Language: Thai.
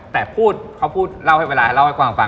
แต่พูดเขาพูดเล่าให้เวลาเล่าให้ฟัง